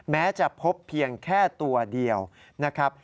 แม้จะพบเพียงแค่ตัวเดียวนะครับ